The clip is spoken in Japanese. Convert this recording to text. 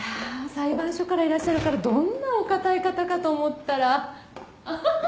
裁判所からいらっしゃるからどんなお堅い方かと思ったらアハハハ！